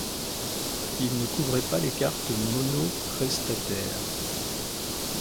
Il ne couvrait pas les cartes monoprestataire.